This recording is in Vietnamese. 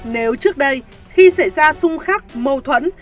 nếu trước đây khi xảy ra xung khắc mâu thuẫn